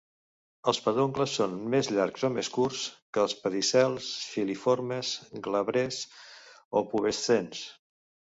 Els peduncles són més llargs o més curts que els pedicels filiformes, glabres o pubescents.